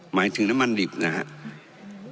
หมายถึงน้ำมันดิบนะครับ